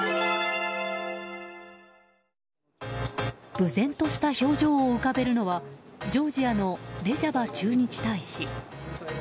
憮然とした表情を浮かべるのはジョージアのレジャバ駐日大使。